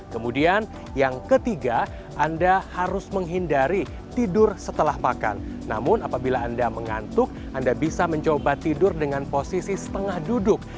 kemudian yang ketiga anda harus menghindari tidur setelah makan namun apabila anda mengantuk anda bisa mencoba tidur dengan posisi setengah duduk